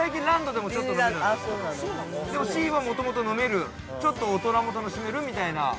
でも、シーはもともと飲める、ちょっと大人も楽しめるみたいな。